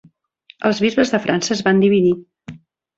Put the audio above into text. Els bisbes de França es van dividir.